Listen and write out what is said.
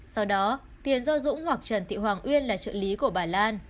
sau đó tiền do dũng hoặc trần thị hoàng uyên là trợ lý của bà lan